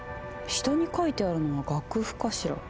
下に書いてあるのは楽譜かしら？